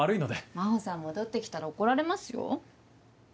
真帆さん戻って来たら怒られますよ。